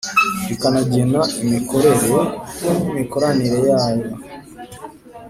rikanagena imikorere n imikoranire yayo